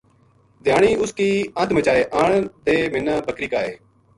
دھیانی اس کی انت مچائے آن دے منا بکر ی کائے